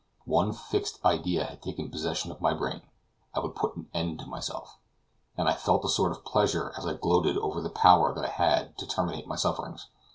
One fixed idea had taken possession of my brain I would put an end to myself; and I felt a sort of pleasure as I gloated over the power that I had to terminate my sufferings.